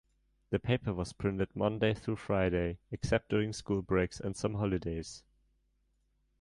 The paper was printed Monday through Friday, except during school breaks and some holidays.